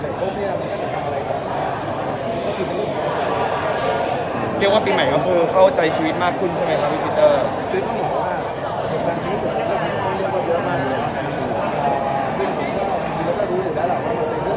แล้วก็เราก็จะไม่มีมันลืมมันไม่มีใจพี่ห่างกายจะไม่ไป